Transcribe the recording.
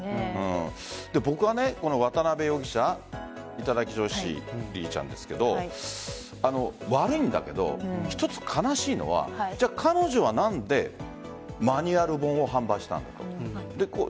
僕は渡辺容疑者頂き女子りりちゃんですが悪いんだけど、一つ悲しいのは彼女は何でマニュアル本を販売したんだろう。